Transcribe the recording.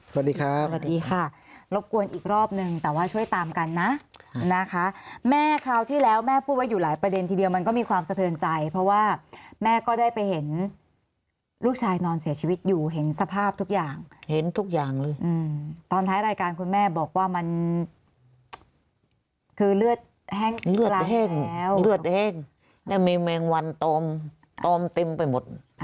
สวัสดีครับสวัสดีค่ะรบกวนอีกรอบนึงแต่ว่าช่วยตามกันนะนะคะแม่คราวที่แล้วแม่พูดไว้อยู่หลายประเด็นทีเดียวมันก็มีความสะเทินใจเพราะว่าแม่ก็ได้ไปเห็นลูกชายนอนเสียชีวิตอยู่เห็นสภาพทุกอย่างเห็นทุกอย่างเลยตอนท้ายรายการคุณแม่บอกว่ามันคือเลือดแห้งแล้วเลือดแห้งยังมีแมงวันตมเต็มไปหมด